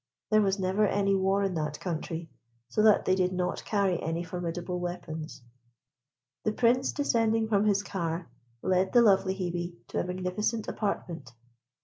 There was never any war in that country, so that they did not carry any formidable weapons. The Prince, descending from his car, led the lovely Hebe to a magnificent apartment.